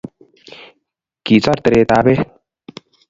kisor teretab beek.